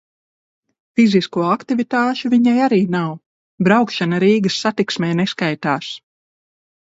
Fizisko aktivitāšu viņai arī nav, braukšana Rīgas Satiksmē neskaitās.